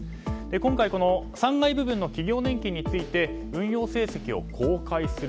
今回、３階部分の企業年金について運用成績を公開する。